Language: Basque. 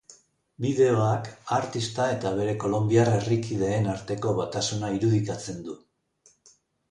Bideoak artista eta bere kolonbiar herrikideen arteko batasuna irudikatzen du.